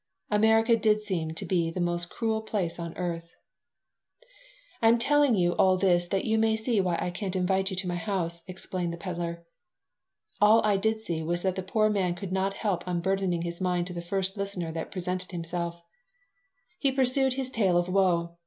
America did seem to be the most cruel place on earth "I am telling you all this that you may see why I can't invite you to my house," explained the peddier All I did see was that the poor man could not help unburdening his mind to the first listener that presented himself He pursued his tale of woe.